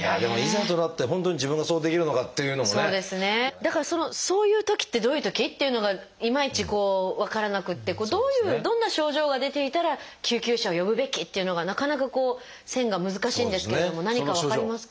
だからその「そういうときってどういうとき」っていうのがいまいちこう分からなくってどういうどんな症状が出ていたら救急車を呼ぶべきっていうのがなかなか線が難しいんですけれども何か分かりますか？